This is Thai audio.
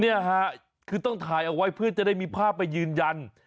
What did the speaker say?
เนี่ยฮะคือต้องถ่ายเอาไว้เพื่อจะได้มีภาพไปยืนยัน